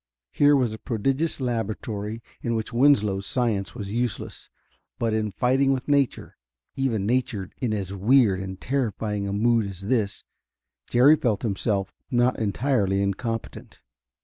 Here was a prodigious laboratory in which Winslow's science was useless, but in fighting with nature even nature in as weird and terrifying a mood as this Jerry felt himself not entirely incompetent.